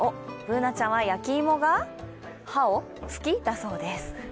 Ｂｏｏｎａちゃんは焼き芋が好きだそうです。